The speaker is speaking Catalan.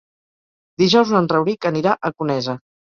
Dijous en Rauric anirà a Conesa.